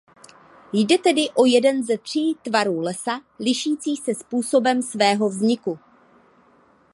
Jde tedy o jeden ze tří tvarů lesa lišících se způsobem svého vzniku.